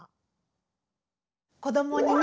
子どもにね